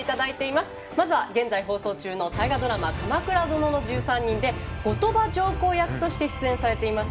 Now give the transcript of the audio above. まずは現在放送中の大河ドラマ「鎌倉殿の１３人」で後鳥羽上皇役として出演されています